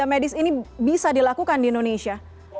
tenaga medis ini bisa dilakukan di indonesia